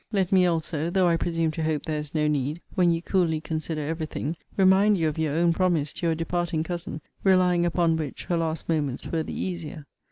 Let me also (though I presume to hope there is no need, when you coolly consider every thing) remind you of your own promise to your departing cousin; relying upon which, her last moments were the easier.